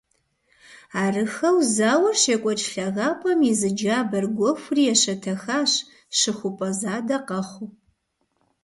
Арыххэу зауэр щекӏуэкӏ лъагапӏэм и зы джабэр гуэхури ещэтэхащ, щыхупӏэ задэ къэхъуу.